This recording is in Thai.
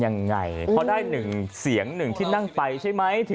นี่ค่ะนี่แม่